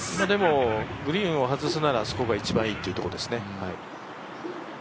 でもグリーンを外すならあそこが一番いいというとこですね。